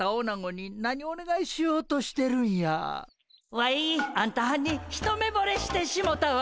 ワイあんたはんに一目ぼれしてしもたわ！